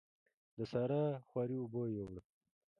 د سارا خواري اوبو يوړه.